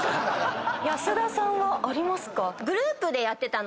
保田さんはありますか？